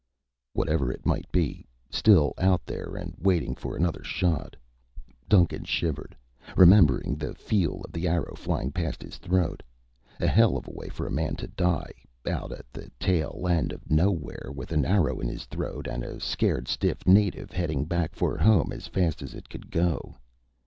Whatever it might be. Still out there and waiting for another shot. Duncan shivered, remembering the feel of the arrow flying past his throat. A hell of a way for a man to die out at the tail end of nowhere with an arrow in his throat and a scared stiff native heading back for home as fast as it could go.